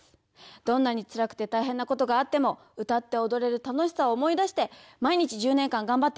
どんなにつらくて大変なことがあっても歌っておどれる楽しさを思い出して毎日１０年間がんばってきました。